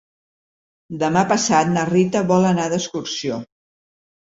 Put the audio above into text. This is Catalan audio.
Demà passat na Rita vol anar d'excursió.